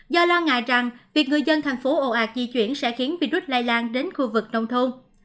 do lo ngại rằng việc người dân thành phố ồ ạc di chuyển sẽ khiến virus lây lan đến khu vực nông thôn